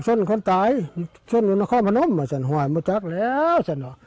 ช่วงอุณหาคอมพนมอ่ะฉันหวายหมดจักรแล้วฉันอ่ะ